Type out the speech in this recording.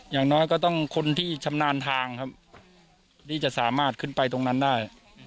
อย่างน้อยก็ต้องคนที่ชำนาญทางครับที่จะสามารถขึ้นไปตรงนั้นได้